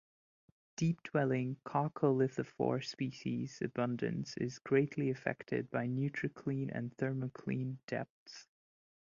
Deep-dwelling coccolithophore species abundance is greatly affected by nutricline and thermocline depths.